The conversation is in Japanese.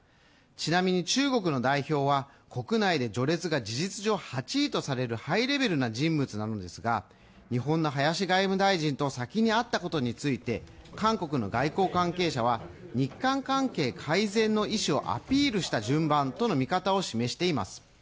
ちなみに中国の代表は国内で序列が事実上８位とされるハイレベルな人物なのですが、日本の林外務大臣と先に会ったことについて韓国の外交関係者は日韓関係改善の意思をアピールした順番との見方を示しています。